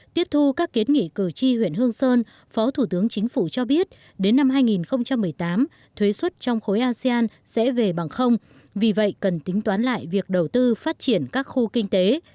tiếp thu các kiến nghị cử tri huyện hương sơn phó thủ tướng chính phủ cho biết đến năm hai nghìn một mươi tám thuế xuất trong khối asean sẽ về bằng không vì vậy cần tính toán lại việc đầu tư phát triển các khu kinh tế